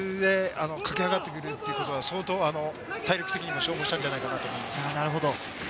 ただ、あれだけやはりドリブルで駆け上がってくるっていうことは、相当体力的にも消耗したんじゃないかなと思います。